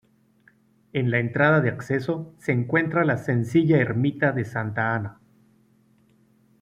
En la entrada de acceso se encuentra la sencilla ermita de Santa Ana.